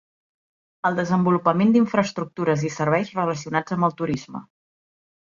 El desenvolupament d'infraestructures i serveis relacionats amb el turisme.